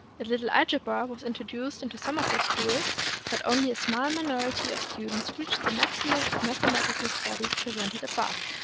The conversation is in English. A little algebra was introduced into some of the schools, but only a small minority of students reached the maximum of mathematical studies presented above.